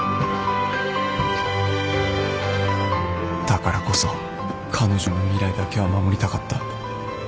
だからこそ彼女の未来だけは守りたかった